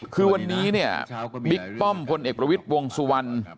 คือวันนี้เนี่ยบิ๊กป้อมพลเอกประวิทย์วงสุวรรณ